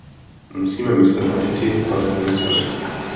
Musíme myslet na děti, pane komisaři.